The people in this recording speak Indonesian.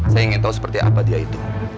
saya ingin tahu seperti apa dia itu